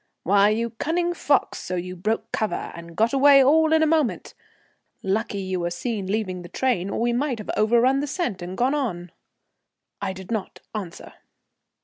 "Why, you cunning fox, so you broke cover and got away all in a moment! Lucky you were seen leaving the train, or we might have overrun the scent and gone on." I did not answer.